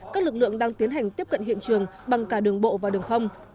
các lực lượng đang tiến hành tiếp cận hiện trường bằng cả đường bộ và đường không